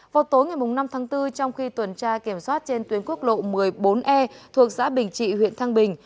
vào tối ngày năm tháng bốn trong khi tuần tra kiểm soát trên tuyến quốc lộ một mươi bốn e thuộc xã bình trị huyện thăng bình